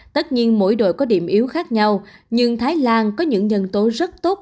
tất nhiên mỗi đội có điểm yếu khác nhau nhưng thái lan có những nhân tố rất tốt